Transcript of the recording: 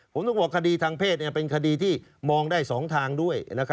ผมต้องบอกคดีทางเพศเป็นคดีที่มองได้๒ทางด้วย